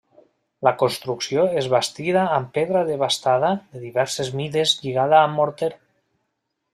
La construcció és bastida amb pedra desbastada de diverses mides lligada amb morter.